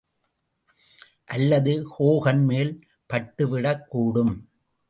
அல்லது ஹோகன் மேல் பட்டுவிடக்கூடும்.